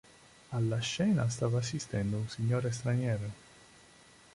Alla scena stava assistendo un signore straniero.